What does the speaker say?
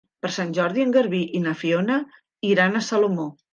Per Sant Jordi en Garbí i na Fiona iran a Salomó.